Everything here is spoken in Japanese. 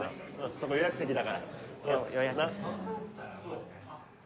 そこ予約席だからな。